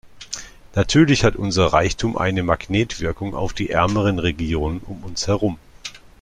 Natürlich hat unser Reichtum eine Magnetwirkung auf die ärmeren Regionen um uns herum.